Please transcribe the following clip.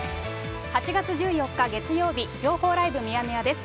８月１４日月曜日、情報ライブミヤネ屋です。